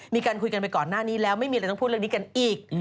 มีการคุยกันไปก่อนหน้านี้แล้วไม่มีอะไรต้องพูดเรื่องนี้กันอีก